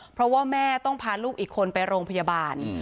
เพราะว่าแม่ต้องพาลูกอีกคนไปโรงพยาบาล